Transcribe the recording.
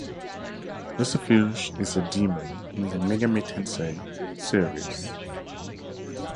Lucifuge is a demon in the Megami Tensei series.